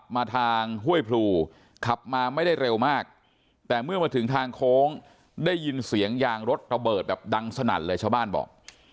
มาทางห้วยพลูขับมาไม่ได้เร็วมากแต่เมื่อมาถึงทางโค้งได้ยินเสียงยางรถระเบิดแบบดังสนั่นเลยชาวบ้านบอก